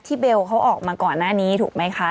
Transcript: เบลเขาออกมาก่อนหน้านี้ถูกไหมคะ